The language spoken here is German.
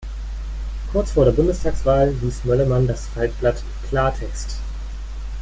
Kurz vor der Bundestagswahl ließ Möllemann das Faltblatt „Klartext.